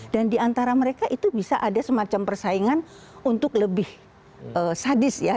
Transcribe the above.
dan diantara mereka itu bisa ada semacam persaingan untuk lebih sadis ya